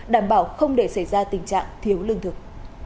đảm bảo không để xảy ra tình trạng thiếu lương thực